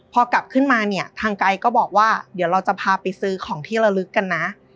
พอกลับขึ้นมาเนี่ยทางไกด์ก็บอกว่าเดี๋ยวเราจะพาไปซื้อของที่ระลึกกันนะ